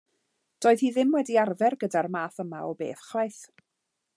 Doedd hi ddim wedi arfer gyda'r math yma o beth chwaith.